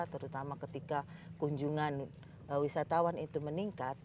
terutama ketika kunjungan wisatawan itu meningkat